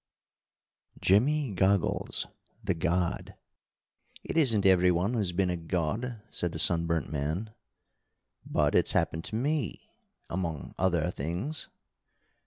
JIMMY GOGGLES THE GOD "It isn't every one who's been a god," said the sunburnt man. "But it's happened to me. Among other things."